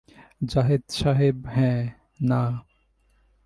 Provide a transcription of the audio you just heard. জাহিদ সাহেব হ্যাঁ, না।